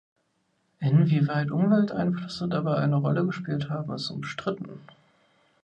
Inwieweit Umwelteinflüsse dabei eine Rolle gespielt haben, ist umstritten.